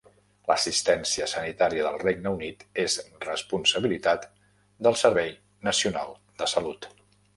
L'assistència sanitària del Regne Unit és responsabilitat del Servei Nacional de Salut